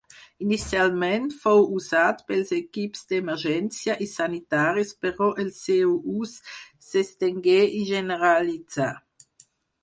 Inicialment fou usat pels equips d'emergència i sanitaris però el seu ús s'estengué i generalitzà.